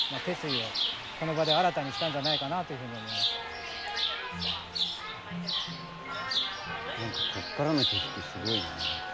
それを見た何かここからの景色すごいなやっぱ。